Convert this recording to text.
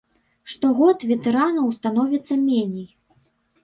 Штогод ветэранаў становіцца меней.